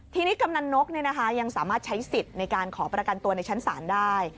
ทีนี้กำนันนกยังสามารถใช้สิทธิ์ในการขอประกันตัวในชั้นศาลได้